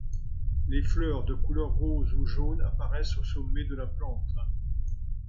Les fleurs, de couleur rose ou jaune apparaissent au sommet de la plante.